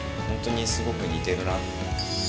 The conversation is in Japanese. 本当にすごく似てるな。